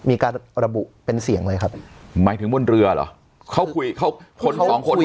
มีการระบุเป็นเสียงเลยครับหมายถึงบนเรือเหรอเขาคุยเขาคนสองคน